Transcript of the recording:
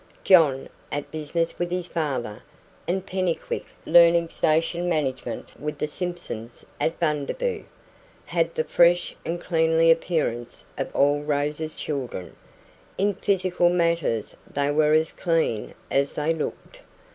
John, at business with his father, and Pennycuick, learning station management with the Simpsons at Bundaboo, had the fresh and cleanly appearance of all Rose's children; in physical matters they were as clean as they looked.